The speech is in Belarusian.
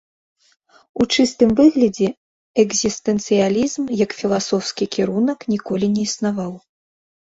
У чыстым выглядзе экзістэнцыялізм як філасофскі кірунак ніколі не існаваў.